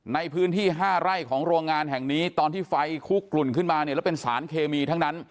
ในพื้นที่๕ไร่ของโรงงานแห่งนี้ตอนที่ไฟคุกกลุ่นขึ้นมาเนี่ยแล้วเป็นสารเคมีทั้งนั้น